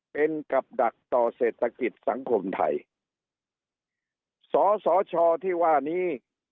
เป็นกับดักต่อเศรษฐกิจสังคมไทยสสชที่ว่านี้